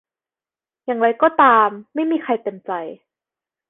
อย่างไรก็ตามไม่มีใครเต็มใจ